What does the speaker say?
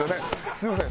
すみません。